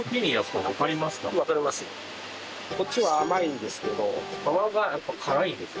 こっちは甘いんですけど皮がやっぱり辛いんですよ。